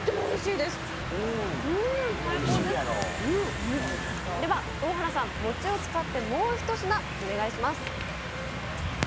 では大原さんもちを使ってもうひと品お願いします。